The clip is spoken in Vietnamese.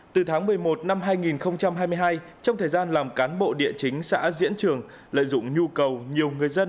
từ tháng một mươi một năm hai nghìn hai mươi hai trong thời gian làm cán bộ địa chính xã diễn trường lợi dụng nhu cầu nhiều người dân